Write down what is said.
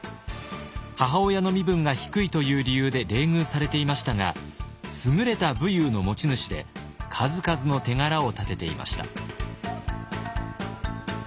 母親の身分が低いという理由で冷遇されていましたが優れた武勇の持ち主で数々の手柄を立てていました。